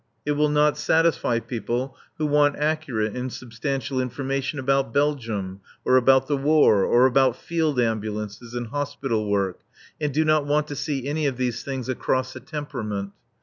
It will not satisfy people who want accurate and substantial information about Belgium, or about the War, or about Field Ambulances and Hospital Work, and do not want to see any of these things "across a temperament."